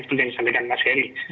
seperti yang disampaikan mas ferry